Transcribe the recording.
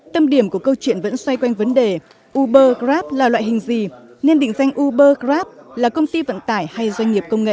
tâm điểm của câu chuyện vẫn xoay quanh vấn đề uber grab là loại hình gì nên định danh uber grab là công ty vận tải hay doanh nghiệp công nghệ